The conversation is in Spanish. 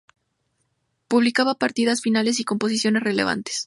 Publicaba partidas, finales y composiciones relevantes.